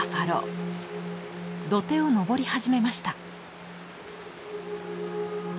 土手を登り始めました。